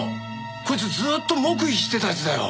こいつずっと黙秘してた奴だよ。